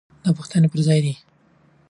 دا پوښتنې پر ځای دي.